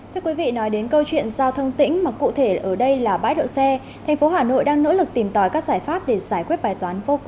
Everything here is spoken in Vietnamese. thưa quý vị nói đến câu chuyện giao thông tĩnh mà cụ thể ở đây là bái độ xe thành phố hà nội đang nỗ lực tìm tòi các giải pháp để giải quyết